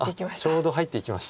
ちょうど入っていきました。